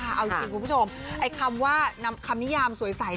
เอาจริงคุณผู้ชมไอ้คำว่าคำนิยามสวยใส